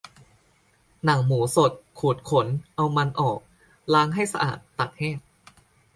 หนังหมูสด ขูดขน เอามันออก ล้างให้สะอาด ตากแห้ง